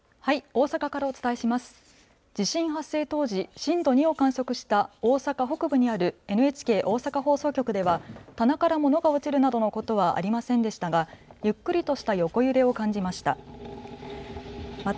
地震発生当時、震度２を観測した大阪北部にあるＮＨＫ大阪放送局では棚から物が落ちるなどのことはありませんでしたがゆっくりとした横揺れを感じました。